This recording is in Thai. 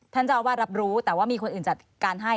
ท่านเจ้าอาวาสรับรู้แต่ว่ามีคนอื่นจัดการให้